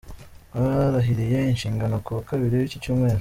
Barahiriye inshingano kuwa Kabiri w’iki cyumweru.